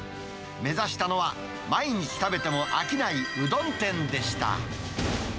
目指したのは、毎日食べても飽きないうどん店でした。